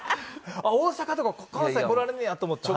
大阪とか関西来られんねやと思って。